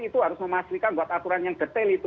itu harus memastikan buat aturan yang detail itu